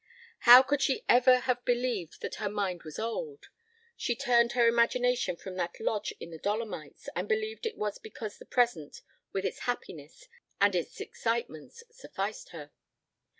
How could she ever have believed that her mind was old? She turned her imagination away from that lodge in the Dolomites, and believed it was because the present with its happiness and its excitements sufficed her.